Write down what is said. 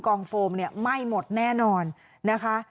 องโฟมเนี่ยไหม้หมดแน่นอนนะคะ